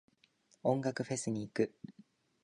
音楽フェス行く。